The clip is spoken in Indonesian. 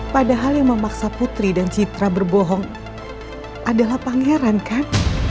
padahal yang memaksa putri dan citra berbohong adalah pangeran kan